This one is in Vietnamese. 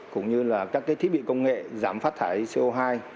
cũng như là các thiết bị công nghệ giảm phát thải co hai